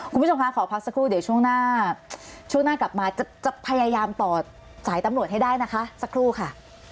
คุณผู้ชมคะขอพักสักครู่เดี๋ยวช่วงหน้าช่วงหน้ากลับมาจะพยายามต่อสายตำรวจให้ได้นะคะสักครู่ค่ะ